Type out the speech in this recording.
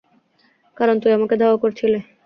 কারন তুই আমাকে ধাওয়া করছিলি।